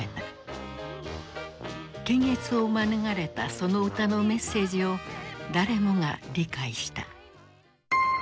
検閲を免れたその歌のメッセージを誰もが理解した。